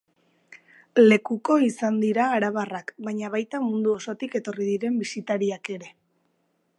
Lekuko izan dira arabarrak, baina baita mundu osotik etorri diren bisitariak ere.